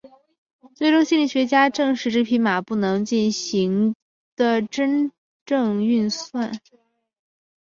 最终心理学家证实这匹马不能真正地进行计算。